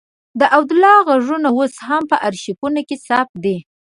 د عبدالله غږونه اوس هم په آرشیفونو کې ثبت دي.